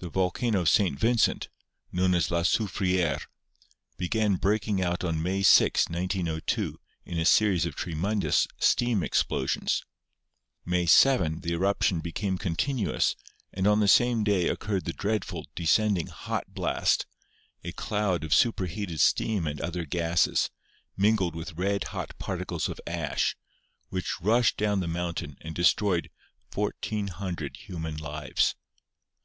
The volcano of St. Vincent, known as La Soufriere, began breaking out on May 6, 1902, in a series of tremendous steam explosions; May 7 the eruption became continuous and on the same day occurred the dreadful, descending "hot blast," a cloud of superheated steam and other gases, mingled with red hot particles of ash, which rushed down the mountain and destroyed 1,400 human lives.